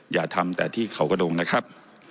อย่าทำแต่ที่เขากระดงนะครับ